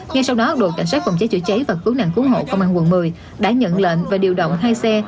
ngay sau đó đội cảnh sát phòng cháy chữa cháy và cứu nạn cứu hộ công an quận một mươi đã nhận lệnh và điều động hai xe